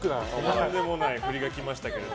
とんでもないフリが来ましたけど。